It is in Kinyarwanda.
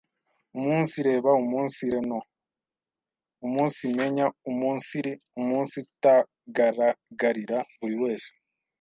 umunsireba umunsire no umunsimenya uumunsiri umunsitagaragarira buri wese